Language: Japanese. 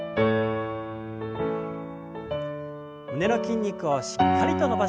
胸の筋肉をしっかりと伸ばしましょう。